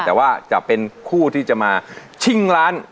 แต่ว่าจะเป็นคู่ที่จะมาชิงล้าน